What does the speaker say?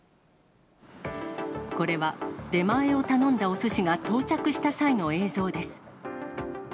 これは、出前を頼んだおすしが到着した際の映像です。